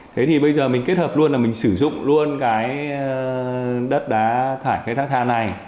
thế thì bây giờ mình kết hợp luôn là mình sử dụng luôn cái đất đá thải cái thang thang này